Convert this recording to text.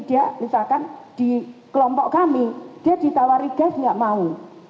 dia misalkan di kelompok kami dia ditawari gas nggak mau